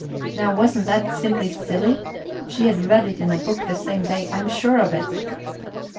Now wasn't that simply silly? She had read it in a book the same day, I'm sure of it."